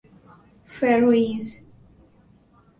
فیروئیز